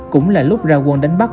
cũng là lúc ra quần đánh bắt